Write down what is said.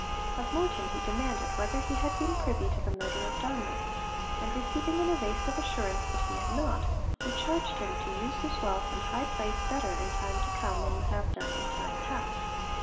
Of Morton he demanded whether he had been privy to the murder of Darnley, and receiving an evasive assurance that he had not, he charged him to use his wealth and high place 'better in time to come than you have done in time past.